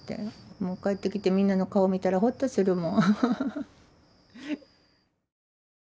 もう帰ってきてみんなの顔見たらほっとするもん。